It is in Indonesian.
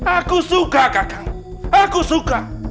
aku suka kakak aku suka